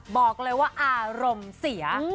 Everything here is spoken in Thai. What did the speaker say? บอกเลยว่าอารมณ์เสีย